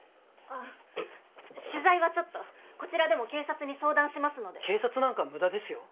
あっ取材はちょっとこちらでも警察に相談しますので警察なんか無駄ですよ